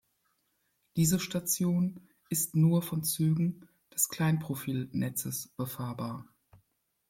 Diese Station ist nur von Zügen des Kleinprofil-Netzes befahrbar.